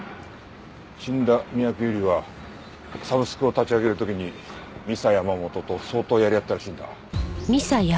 死んだ三宅由莉はサブスクを立ち上げる時にミサヤマモトと相当やり合ったらしいんだ。